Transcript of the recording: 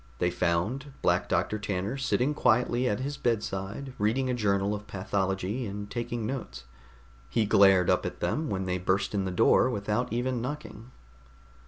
They found Black Doctor Tanner sitting quietly at his bedside reading a journal of pathology and taking notes. He glared up at them when they burst in the door without even knocking.